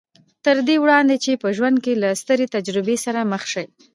تر دې وړاندې چې په ژوند کې له سترې تجربې سره مخ شي